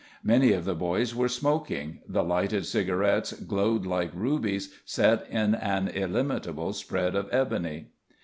Many of the boys were smoking; the lighted cigarettes glowed like rubies set in an illimitable spread of ebony.